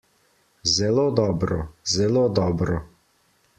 Zelo dobro, zelo dobro.